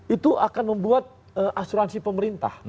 itu akan membuat asuransi pemerintah